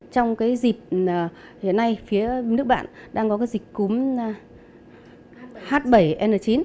trong dịp hôm nay phía nước bạn đang có dịch cúm h bảy n chín